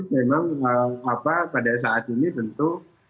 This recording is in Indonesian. saya memang apa pada saat ini tentu